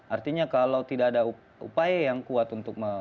artinya kalau tidak ada upaya yang kuat untuk